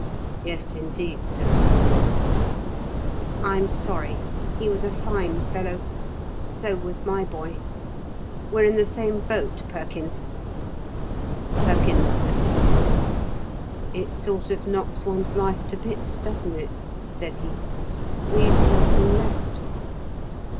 "Yes, indeed, Sir Anthony." "I'm sorry. He was a fine fellow. So was my boy. We're in the same boat, Perkins." Perkins assented. "It sort of knocks one's life to bits, doesn't it?" said he. "We've nothing left."